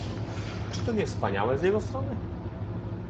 "Czy to nie wspaniałe z jego strony?"